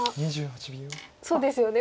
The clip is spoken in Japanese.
そうですよね